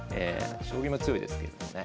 将棋も強いですけれどもね。